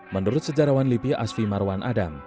menurut sejarawan lipi asfi marwan adam